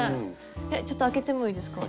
ちょっと開けてもいいですか？